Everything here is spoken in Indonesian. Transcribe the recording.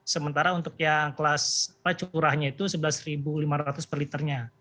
sementara untuk yang kelas curahnya itu rp sebelas lima ratus per liternya